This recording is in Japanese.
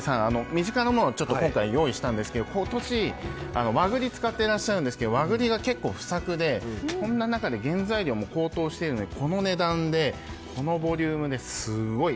身近なものを今回用意したんですが今年、和栗使っていらっしゃるんですけど和栗が結構不作で、そんな中で原材料が高騰してるのにこの値段でこのボリュームですごい。